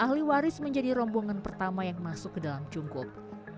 ahli waris menjadi rombongan pertama yang masuk ke dalam jungkup